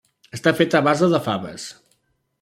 Està feta a base de faves.